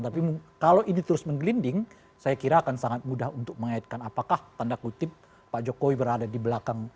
tapi kalau ini terus menggelinding saya kira akan sangat mudah untuk mengaitkan apakah tanda kutip pak jokowi berada di belakang